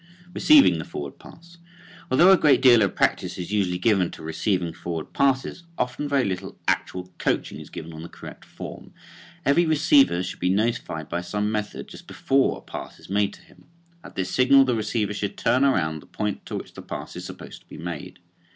RECEIVING THE FORWARD PASS. Although a great deal of practice is usually given to receiving forward passes, often very little actual coaching is given on the correct form. Every receiver should be notified by some method just before a pass is made to him. At this signal the receiver should turn toward the point to which the pass is supposed to be made.